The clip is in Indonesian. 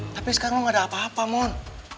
tapi sekarang gak ada apa apa mon